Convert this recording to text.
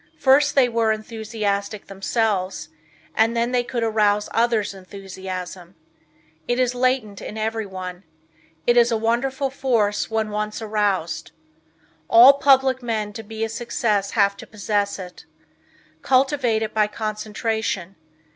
First they were enthusiastic themselves, and then they could arouse others' enthusiasm. It is latent in everyone. It is a wonderful force when once aroused. All public men to be a success have to possess it. Cultivate it by concentration.